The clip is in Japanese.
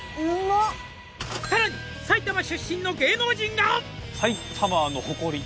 「さらに埼玉出身の芸能人が」